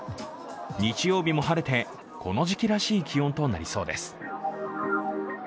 日曜日も晴れて、この時期らしい気温となりそうです。